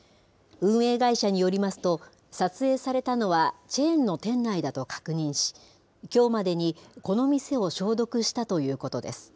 運営会社によりますと、撮影されたのは、チェーンの店内だと確認し、きょうまでに、この店を消毒したということです。